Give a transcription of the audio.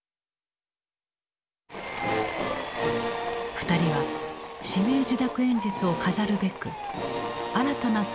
２人は指名受諾演説を飾るべく新たなスローガンを生み出した。